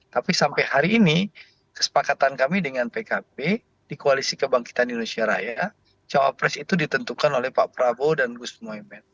tapi sampai hari ini kesepakatan kami dengan pkb di koalisi kebangkitan indonesia raya cawapres itu ditentukan oleh pak prabowo dan gus muhaymin